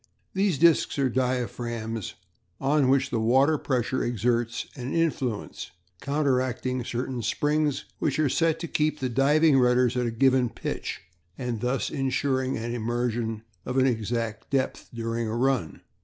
These discs are diaphragms on which the water pressure exerts an influence, counteracting certain springs which are set to keep the diving rudders at a given pitch, and thus insuring an immersion of an exact depth during a run.